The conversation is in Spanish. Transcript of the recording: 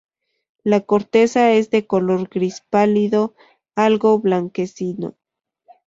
La corteza es de color gris pálido, algo blanquecino.